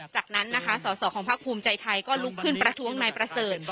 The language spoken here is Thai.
จากนั้นนะคะสอสอของภาคภูมิใจไทยก็ลุกขึ้นประท้วงนายประเสริฐ